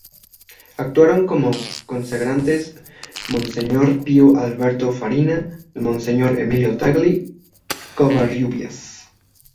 Actuaron como co-consagrantes Monseñor Pío Alberto Fariña y Monseñor Emilio Tagle Covarrubias.